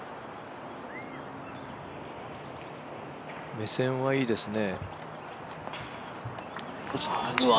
目線はいいですね。